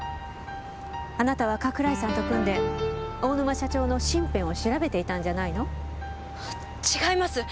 あなたは加倉井さんと組んで大沼社長の身辺を調べていたんじゃないの？違います！